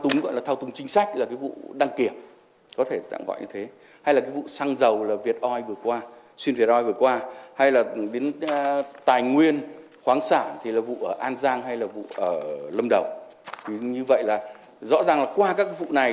như vậy là rõ ràng là qua các vụ này